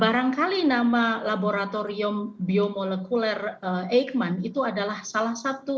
barangkali nama laboratorium biomolekuler eijkman itu adalah salah satu